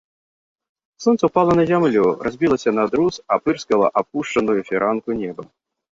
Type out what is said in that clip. Сонца ўпала на зямлю, разбілася на друз, апырскала апушчаную фіранку неба.